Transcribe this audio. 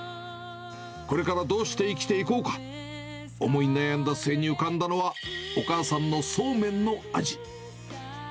これからどうして生きていこうか、思い悩んだ末に浮かんだのは、お母さんのそうめんの味。